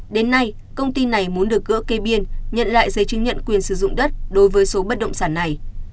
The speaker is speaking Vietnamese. đến nay công ty này muốn được gỡ cây biên nhận lại giấy chứng nhận quyền sử dụng đất đối với số bất động sản này